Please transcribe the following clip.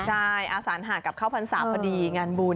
ใช่อาสานหาดกับข้าวพรรษาพอดีงานบุญ